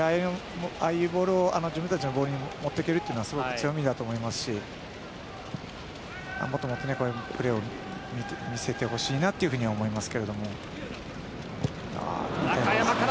ああいうボールを自分たちのボールに持っていけるというのはすごく強みだと思いますしもっとこういうプレーを見せてほしいなと思います。